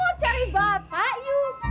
you mau cari bapak you